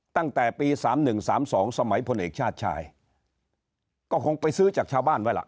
ตั้งแต่ปีสามหนึ่งสามสองสมัยพลเอกชาติชายก็คงไปซื้อจากชาวบ้านไว้ล่ะ